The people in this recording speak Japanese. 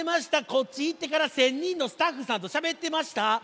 こっちいってから１，０００にんのスタッフさんとしゃべってました。